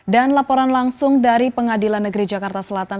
dan laporan langsung dari pengadilan negeri jakarta selatan